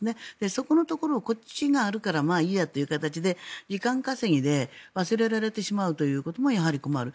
そこのところをこっちがあるからまあいいやというところで時間稼ぎで忘れられてしまうということもやはり困る。